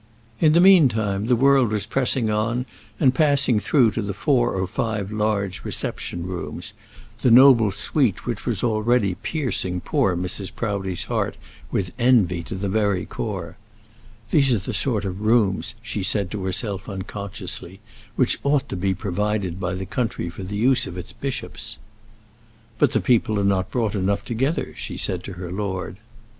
In the meantime the world was pressing on and passing through to the four or five large reception rooms the noble suite, which was already piercing poor Mrs. Proudie's heart with envy to the very core. "These are the sort of rooms," she said to herself unconsciously, "which ought to be provided by the country for the use of its bishops." "But the people are not brought enough together," she said to her lord.